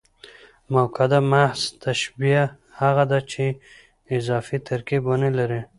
مؤکده محض تشبیه هغه ده، چي اضافي ترکیب و نه لري.